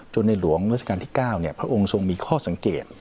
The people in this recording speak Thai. ในหลวงราชการที่๙พระองค์ทรงมีข้อสังเกต